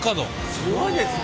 すごいですね！